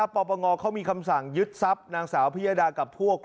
ปปงเขามีคำสั่งยึดทรัพย์นางสาวพิยดากับพวก